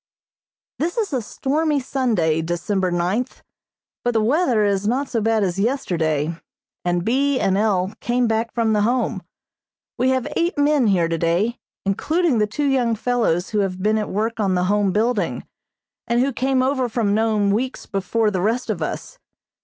This is a stormy Sunday, December ninth, but the weather is not so bad as yesterday, and B. and L. came back from the Home. We have eight men here today, including the two young fellows who have been at work on the Home building, and who came over from Nome weeks before the rest of us.